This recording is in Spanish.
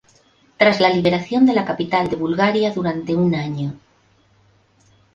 Tras la liberación de la capital de Bulgaria durante un año.